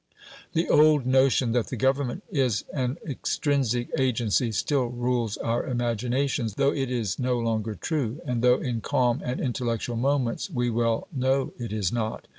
The old notion that the Government is an extrinsic agency still rules our imaginations, though it is no longer true, and though in calm and intellectual moments we well know it is not.